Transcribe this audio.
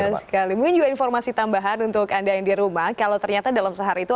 benar sekali mungkin juga informasi tambahan untuk anda yang di rumah kalau ternyata dalam sehari itu